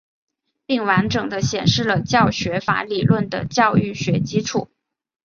并完整地显示了教学法理论的教育学基础。